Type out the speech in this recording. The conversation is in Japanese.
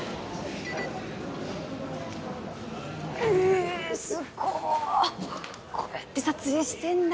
えすっごこうやって撮影してんだ。